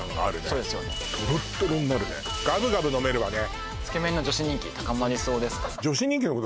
そうですよねトロットロになるねガブガブ飲めるわね